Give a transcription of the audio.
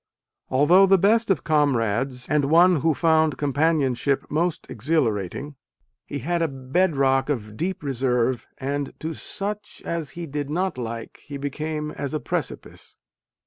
Although the best of comrades and one who found companionship most exhilarating, he had a bed rock of deep A DAY WITH WALT WHITMAN. reserve, and "to such as he did not like, he became as a precipice."